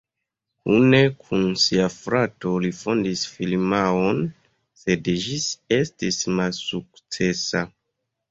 Kune kun sia frato li fondis firmaon, sed ĝis estis malsukcesa.